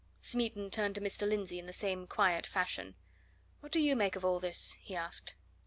Smeaton turned to Mr. Lindsey in the same quiet fashion. "What do you make of all this?" he asked.